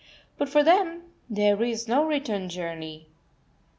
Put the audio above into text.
But for them there is no return journey!